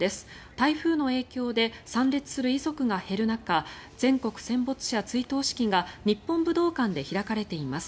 台風の影響で参列する遺族が減る中全国戦没者追悼式が日本武道館で開かれています。